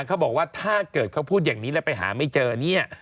เขาบอกว่าถ้าเกิดเขาพูดอย่างนี้แล้วไปหาไม่เจอเนี่ย